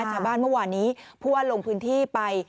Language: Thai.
จาบ้านเมื่อวานี้พ่อลงพื้นที่ไป